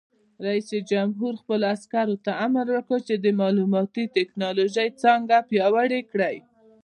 رئیس جمهور خپلو عسکرو ته امر وکړ؛ د معلوماتي تکنالوژۍ څانګه پیاوړې کړئ!